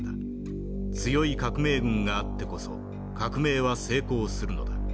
強い革命軍があってこそ革命は成功するのだ。